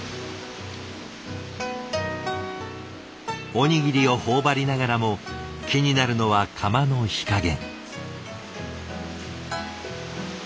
おにぎりを頬張りながらも気になるのは釜の火加減。